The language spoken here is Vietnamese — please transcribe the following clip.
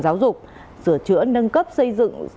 giáo dục sửa chữa nâng cấp xây dựng